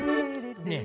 ねえ。